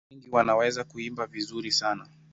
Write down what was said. Wengi wanaweza kuimba vizuri sana.